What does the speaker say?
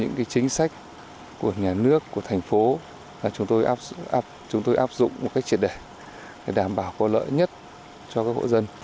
hợp dụng một cách triệt đẩy để đảm bảo có lợi nhất cho các hộ dân